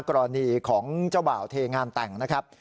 กรณีของเจ้าบ่าวเทงานแต่งนะครับ